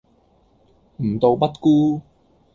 吾道不孤